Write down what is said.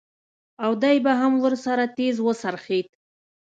او دى به هم ورسره تېز وڅرخېد.